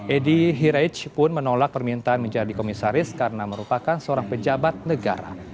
edi hirej pun menolak permintaan menjadi komisaris karena merupakan seorang pejabat negara